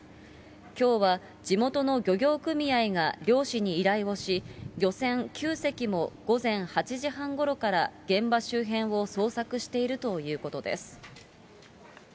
きょうは地元の漁業組合が漁師に依頼をし、漁船９隻も午前８時半ごろから現場周辺を捜索しているということです。